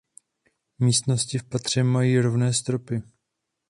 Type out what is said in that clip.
Místnosti v patře mají rovné stropy.